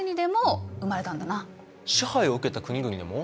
支配を受けた国々でも？